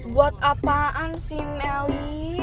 buat apaan sih meli